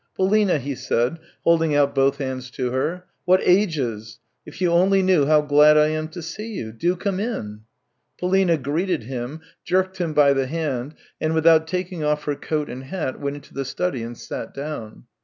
" PoUna," he said, holding out both hands to her. " What ages ! If you only knew how glad I am to see you ! Do come in !" Polina greeted him, jerked him by the hand, and without taking off her coat and hat, went into the study and sat down.